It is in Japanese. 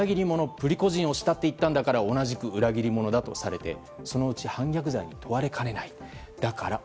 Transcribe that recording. プリゴジン氏を慕っていったんだから同じく裏切り者だとされてそのうち反逆罪に問われかねない。